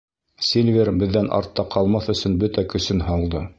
Сильвер беҙҙән артта ҡалмаҫ өсөн бөтә көсөн һалды.